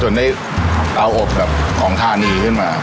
ได้เอาอบแบบของธานีขึ้นมา